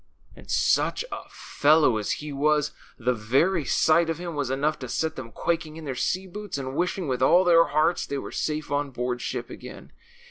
And such a fellow as he was ! The very sight of him was enough to set them quaking in their sea boots and wishing with all their hearts they were safe on board ship again.